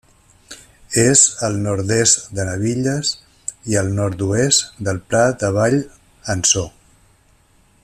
És al nord-est de Nabilles i al nord-oest del Pla de Vall en So.